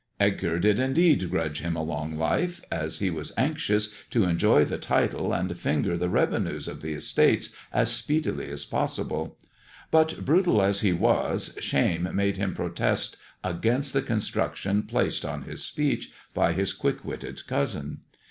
Edgar did indeed grudge him a long life, as he was anxious to enjoy the title, and finger the revenues of the estates as speedily as possible. But brutal as he was, shame made him protest against the construction placed on his speech by his quick witted cousin.